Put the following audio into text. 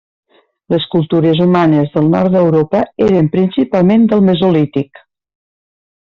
Les cultures humanes del nord d’Europa eren principalment del Mesolític.